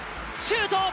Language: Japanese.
シュート。